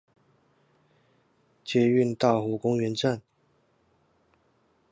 捷運大湖公園站